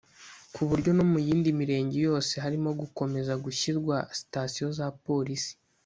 ku buryo no mu yindi mirenge yose harimo gukomeza gushyirwa sitasiyo za polisi